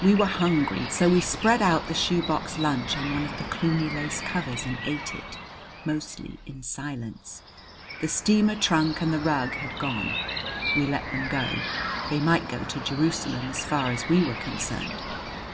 We were hungry; so we spread out the shoebox lunch on one of the Cluny lace covers and ate it, mostly in silence. The steamer trunk and the rug had gone. We let them go. They might go to Jerusalem, as far as we were concerned!